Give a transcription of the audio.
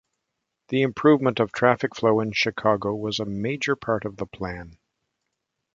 The improvement of traffic flow in Chicago was a major part of the plan.